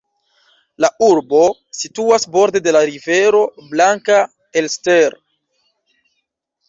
La urbo situas borde de la rivero Blanka Elster.